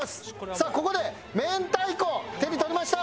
さあここで明太子を手に取りました。